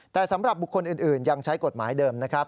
แต่สำหรับบุคคลอื่นยังใช้กฎหมายเดิมนะครับ